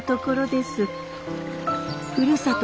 ふるさと